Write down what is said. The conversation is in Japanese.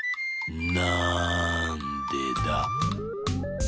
なんでだ？